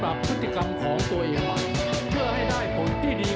และเถอะให้กลางเป็นอย่างดี